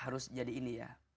harus jadi ini ya